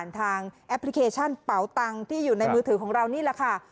แอปพลิเคชันเป๋าตังค์ที่อยู่ในมือถือของเรานี่แหละค่ะ